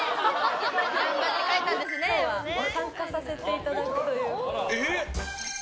今日は参加させていただくということで。